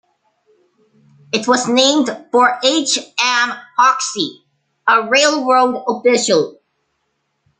It was named for H. M. Hoxie, a railroad official.